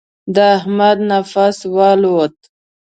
د احمد نفس والوت.